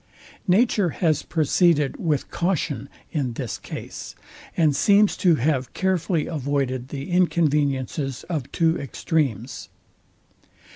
Nature has proceeded with caution in this came, and seems to have carefully avoided the inconveniences of two extremes.